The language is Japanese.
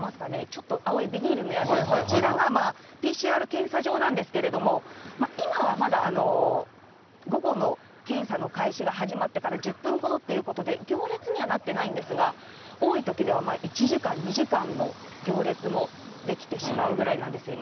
ちょっと青いビニールの屋根、こちらがＰＣＲ検査場なんですけれども、今はまだ午後の検査の開始が始まってから１０分ほどということで、行列にはなってないんですが、多いときでは１時間、２時間の行列も出来てしまうぐらいなんです、